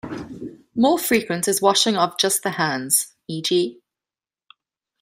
More frequent is washing of just the hands, e.g.